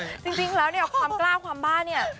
เออความกล้าความบ้าเนี้ย